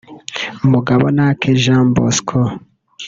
Mugabonake Jean Bosco